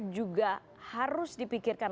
juga harus dipikirkan